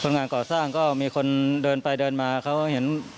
งานก่อสร้างก็มีคนเดินไปเดินมาเขาเห็น